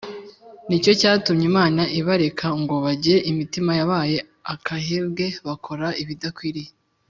ni cyo cyatumye Imana ibareka ngo bagire imitima yabaye akahebwe bakora ibidakwiriye.